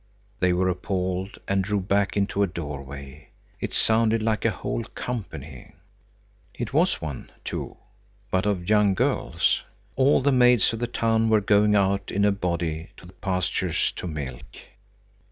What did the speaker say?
They were appalled, and drew back into a doorway. It sounded like a whole company. It was one, too, but of young girls. All the maids of the town were going out in a body to the pastures to milk.